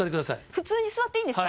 普通に座っていいんですか？